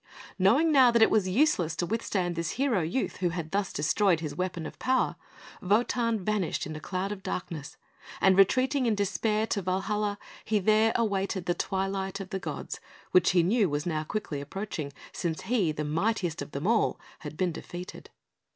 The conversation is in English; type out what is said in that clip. Knowing now that it was useless to withstand this hero youth who had thus destroyed his weapon of power, Wotan vanished in a cloud of darkness, and retreating in despair to Valhalla, he there awaited the Twilight of the Gods, which he knew was now quickly approaching, since he, the mightiest of them all, had been defeated.